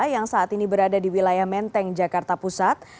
yang saat ini berada di wilayah menteng jakarta pusat